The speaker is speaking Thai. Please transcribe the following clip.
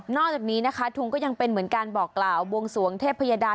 จากนี้นะคะทุงก็ยังเป็นเหมือนการบอกกล่าวบวงสวงเทพยดา